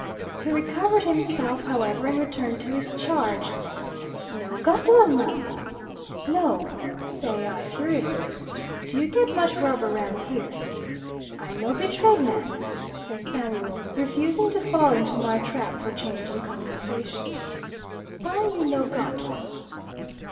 He recovered himself, however and returned to his charge. "No got one, ma?" "No," say I furiously. "Do you get much rubber round here?" "I no be trade man," says Samuel, refusing to fall into my trap for changing conversation. "Why you no got one?"